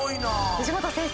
藤本先生。